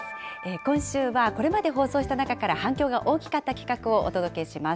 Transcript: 今週は、これまで放送した中から反響が大きかった企画をお届けします。